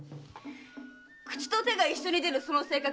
口と手が一緒に出るその性格